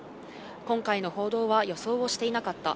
今回の報道は予想をしていなかった。